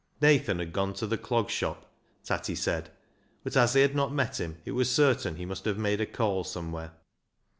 Nathan had gone to the Clog Shop, Tatty said, but as they had not met him, it was certain he must have made a call somewhere.